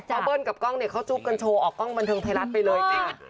เบิ้ลกับกล้องเนี่ยเขาจุ๊บกันโชว์ออกกล้องบันเทิงไทยรัฐไปเลยค่ะ